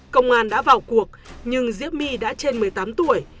công an đã vào cuộc nhưng diễp my đã trên một mươi tám tuổi